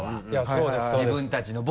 そうですね。